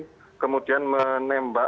dan kemudian dikejar oleh anggota polisi